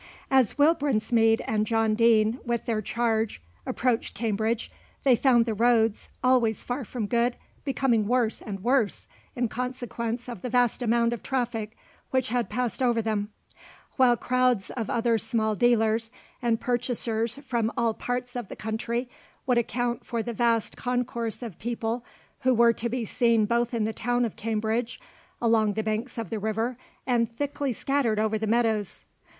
As Will Brinsmead and John Deane with their charge approached Cambridge, they found the roads, always far from good, becoming worse and worse, in consequence of the vast amount of traffic which had passed over them; while crowds of other small dealers and purchasers from all parts of the country would account for the vast concourse of people who were to be seen both in the town of Cambridge, along the banks of the river, and thickly scattered over the meadows.